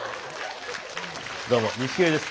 どうも錦鯉です。